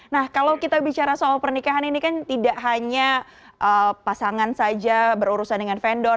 nah kalau kita bicara soal pernikahan ini kan tidak hanya pasangan saja berurusan dengan vendor